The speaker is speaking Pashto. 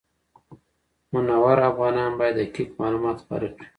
منور افغانان باید دقیق معلومات خپاره کړي.